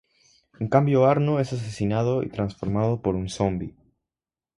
En cambio Arno es asesinado y transformado por un zombi.